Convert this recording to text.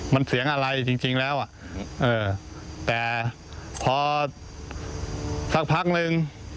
มันเสียงอะไรจริงแล้วอ่ะเออแต่พอสักพักนึง